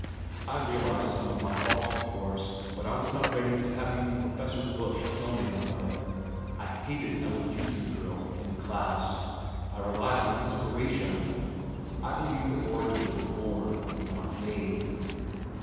I realized some of my faults of course, but I was not ready to have even Prof. Bush tell me of them. I hated "elocution" drill in class, I relied on "inspiration." I believed that orators were born, not made.